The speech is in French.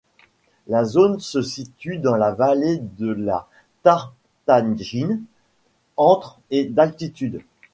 La zone se situe dans la vallée de la Tartagine, entre et d’altitude.